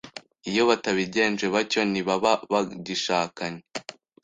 Iyo batabigenje batyo ngo ntibaba bagishakanye